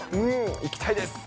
行きたいです。